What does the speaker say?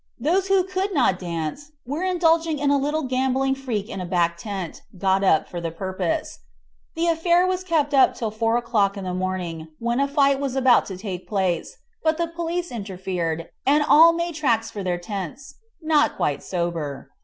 Those who could not dance were indulging in a little gambling freak in a back tent, got up for the purpose. The affair was kept up till four o'clock in the morning, when a fight was about to take place, but the police interfered, and all made tracks for their tents, not quite sober.